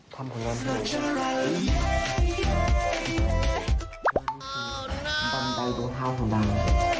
คือหวังใจตัวเท้าของดัง